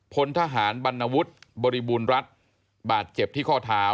พลทหารบรรณวุฒิบริบูรณรัฐบาดเจ็บที่ข้อเท้า